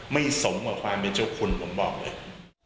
ไม่สมกว่าความเป็นเจ้าคุณผมบอกเลย